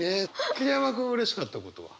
桐山君うれしかったことは？